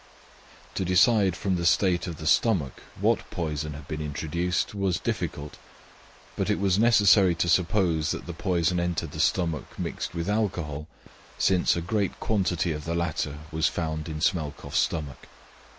To decide from the state of the stomach what poison had been introduced was difficult; but it was necessary to suppose that the poison entered the stomach mixed with alcohol, since a great quantity of the latter was found in Smelkoff's stomach.